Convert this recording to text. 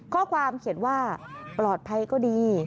ข้อความเขียนว่าปลอดภัยก็ดี